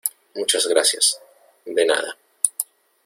muchas gracias. de nada .